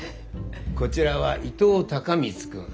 こちらは伊藤孝光君。